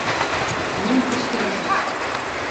Молан кычкырышыч?